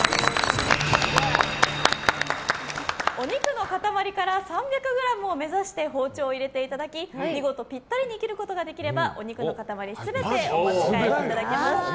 お肉の塊から３００ｇを目指して包丁を入れていただき見事ピッタリに切ることができればお肉の塊全てお持ち帰りいただけます。